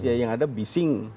ya yang ada bising